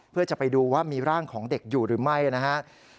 เพื่อจะไปดูว่ามีร่างของเด็กอยู่หรือไม่นะครับ